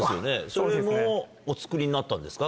それもお作りになったんですか？